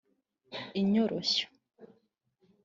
inyoroshyo